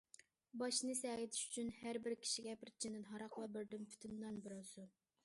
باشنى سەگىتىش ئۈچۈن ھەر بىر كىشىگە بىر چىنىدىن ھاراق ۋە بىردىن پۈتۈن نان بېرىلسۇن.